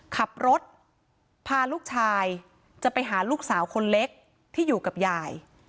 ขับรถพาลูกชายจะไปหาลูกสาวคนเล็กที่อยู่กับยาย